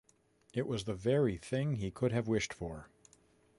It was the very thing he could have wished for.